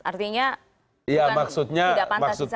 artinya tidak pantas disampaikan oleh seorang presiden